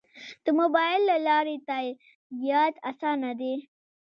د موبایل له لارې تادیات اسانه دي؟